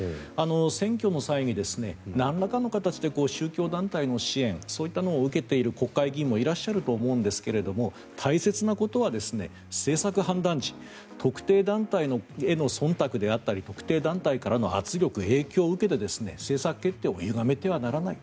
選挙の際に何らかの形で宗教団体の支援そういったのを受けている国会議員もいらっしゃると思いますが大切なことは政策判断時特定団体へのそんたくであったり特定団体からの圧力、影響を受けて政策決定をゆがめてはならない。